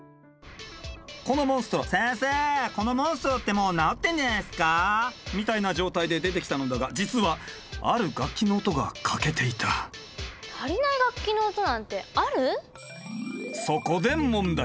このモンストロ「先生このモンストロってもう治ってんじゃないっすかあ？」みたいな状態で出てきたのだが実はある楽器の音が欠けていた足りない楽器の音なんてある？